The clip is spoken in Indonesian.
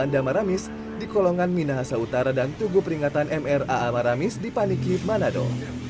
ada maramis di kolongan minahasa utara dan tugu peringatan mraa maramis di paniki manado